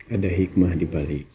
ada hikmah di balik